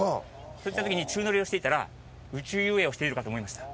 そういった時に宙乗りをしていたら宇宙遊泳をしているかと思いました。